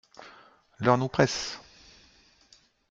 L’heure nous presse !